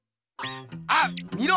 あっ見ろ！